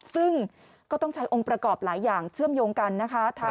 ซึ่งก็ต้องใช้องค์ประกอบหลายอย่างเชื่อมโยงกันนะคะ